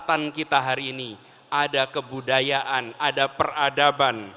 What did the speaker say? kegiatan kita hari ini ada kebudayaan ada peradaban